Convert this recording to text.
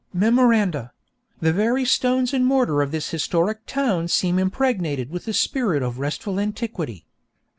Memoranda: _'The very stones and mortar of this historic town seem impregnated with the spirit of restful antiquity.'